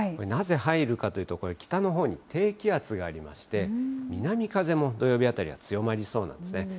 なぜ入るかというと、これ、北のほうに低気圧がありまして、南風も土曜日あたりは強まりそうなんですね。